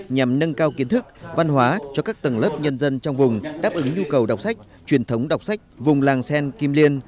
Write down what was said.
nhằm nâng cao kiến thức văn hóa cho các tầng lớp nhân dân trong vùng đáp ứng nhu cầu đọc sách truyền thống đọc sách vùng làng sen kim liên